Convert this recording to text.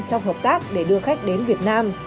trong hợp tác để đưa khách đến việt nam